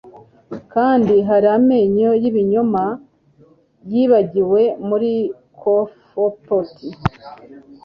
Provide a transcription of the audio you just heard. kandi hari amenyo yibinyoma yibagiwe muri cofeepot